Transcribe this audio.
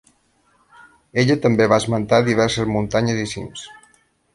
Ella també va esmentar diverses muntanyes i cims.